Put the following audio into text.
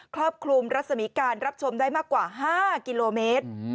ครอบคลุมรัศมีการรับชมได้มากกว่า๕กิโลเมตร